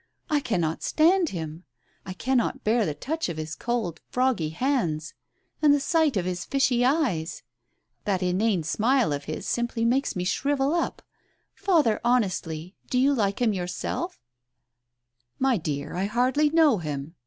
"I cannot stand him ! I cannot bear the touch of his cold froggy hands, and the sight of his fishy eyes ! That inane smile of his simply makes me shrivel up. Father, honestly, do you like him yourself ?"" My dear, I hardly know him